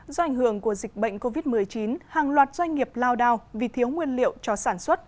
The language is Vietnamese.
do ảnh hưởng của dịch bệnh covid một mươi chín hàng loạt doanh nghiệp lao đao vì thiếu nguyên liệu cho sản xuất